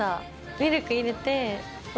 ミルク入れて。